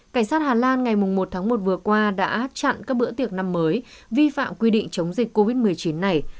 cảnh sát hà lan ngày một tháng một vừa qua đã chặn các bữa tiệc năm mới vi phạm quy định chống dịch covid một mươi chín này